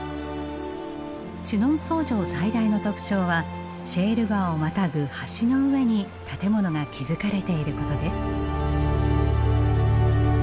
シュノンソー城最大の特徴はシェール川をまたぐ橋の上に建物が築かれていることです。